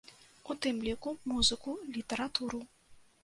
У тым ліку музыку, літаратуру.